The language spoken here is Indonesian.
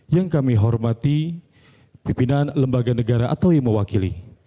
yang kami hormati pimpinan lembaga negara atau yang mewakili